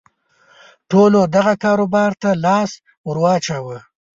ټولو دغه کاروبار ته لاس ور واچاوه.